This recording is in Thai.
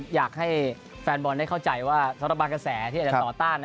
อยากให้แฟนบอลได้เข้าใจว่าสำหรับบางกระแสที่อาจจะต่อต้าน